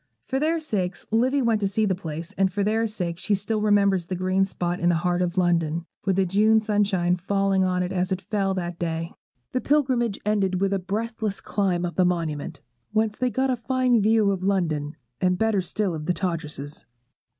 For their sakes Livy went to see the place; and for their sakes she still remembers that green spot in the heart of London, with the June sunshine falling on it as it fell that day. The pilgrimage ended with a breathless climb up the Monument, whence they got a fine view of London, and better still of Todgerses.